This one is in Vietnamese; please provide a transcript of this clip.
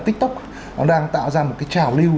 tiktok nó đang tạo ra một cái trào lưu